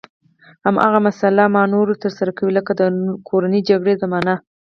هماغه مسلحانه مانورونه ترسره کوي لکه د کورنۍ جګړې زمانه.